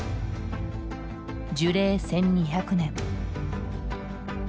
樹齢１，２００年。